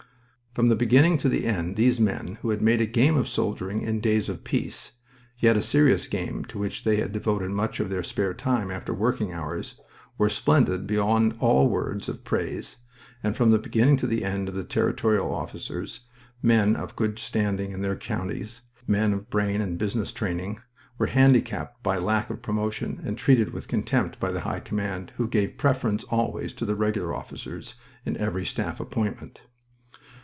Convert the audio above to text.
From the beginning to the end these men, who had made a game of soldiering in days of peace, yet a serious game to which they had devoted much of their spare time after working hours, were splendid beyond all words of praise, and from the beginning to the end the Territorial officers men of good standing in their counties, men of brain and business training were handicapped by lack of promotion and treated with contempt by the High Command, who gave preference always to the Regular officers in every staff appointment.